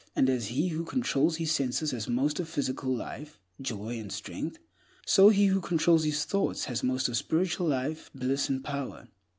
And as he who controls his senses has most of physical life, joy, and strength, so he who controls his thoughts has most of spiritual life, bliss, and power.